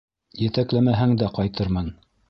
- Етәкләмәһәң дә ҡайтырмын...